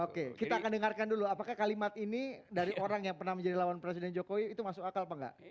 oke kita akan dengarkan dulu apakah kalimat ini dari orang yang pernah menjadi lawan presiden jokowi itu masuk akal apa enggak